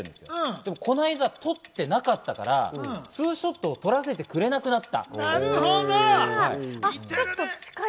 でも、この間、撮ってなかったから、ツーショットを撮らせてくれなくなった。